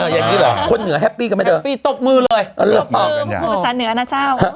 อย่างนี้เหรอคนเหนือแฮปปี้กันไหมเธอตบมือเลยตบมือพูดภาษาเหนือนะเจ้า